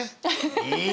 いい！